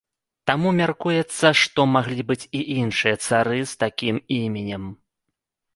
Таму мяркуецца, што маглі быць і іншыя цары з такім імем.